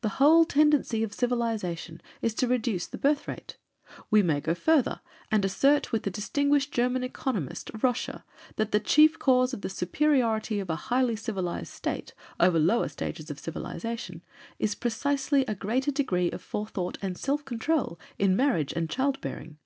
The whole tendency of civilization is to reduce the birth rate. We may go further, and assert with the distinguished German economist, Roscher, that the chief cause of the superiority of a highly civilized state over lower stages of civilization is precisely a greater degree of forethought and self control in marriage and child bearing.